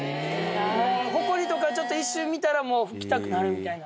もうほこりとか、ちょっと一瞬見たら、もう拭きたくなるみたいな。